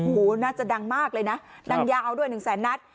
โหน่าจะดังมากเลยนะดังยาวด้วย๑๐๐๐๐๐นัด